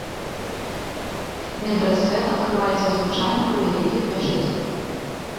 Медрэсэ адкрываліся звычайна пры вялікіх мячэцях.